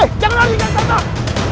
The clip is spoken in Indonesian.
hei jangan lari kisanak